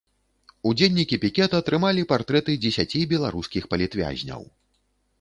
Удзельнікі пікета трымалі партрэты дзесяці беларускіх палітвязняў.